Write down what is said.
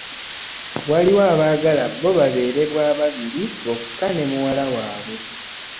Waliwo abaagala bo babeere bwa babiri bokka ne muwala waabwe.